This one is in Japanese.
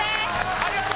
ありがとう！